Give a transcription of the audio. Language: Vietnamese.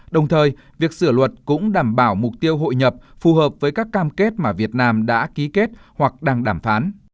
đồng thời việc sửa luật cũng đảm bảo mục tiêu hội nhập phù hợp với các cam kết mà việt nam đã ký kết hoặc đang đàm phán